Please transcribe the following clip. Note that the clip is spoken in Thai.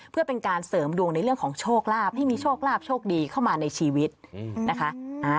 เพื่อเป็นการเสริมดวงในเรื่องของโชคลาภให้มีโชคลาภโชคดีเข้ามาในชีวิตนะคะ